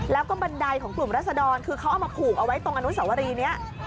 แล้วก็บันไดของกลุ่มรัศดรคือเขาเอามาผูกเอาไว้ตรงอนุสวรีนี้